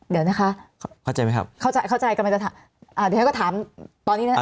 เดี๋ยวนะคะเข้าใจไหมครับเข้าใจกำลังจะถามเดี๋ยวก็ถามตอนนี้นะ